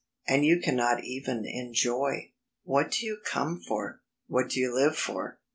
And you cannot even enjoy. What do you come for? What do you live for?